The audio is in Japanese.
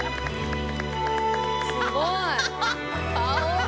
すごい！顔。